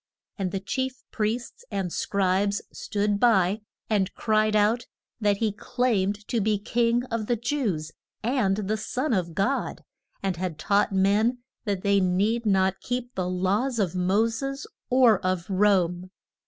And the chief priests and scribes stood by, and cried out that he claimed to be king of the Jews, and the son of God, and had taught men that they need not keep the laws of Mo ses or of Rome.